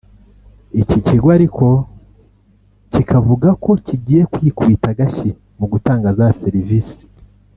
Iki kigo ariko kiravuga ko kigiye kwikubita agashyi mu gutanga za serivisi